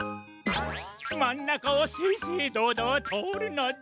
まんなかをせいせいどうどうとおるのだ！